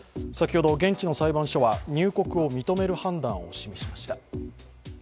先ほど現地の裁判所は入国を認める判断を示しました。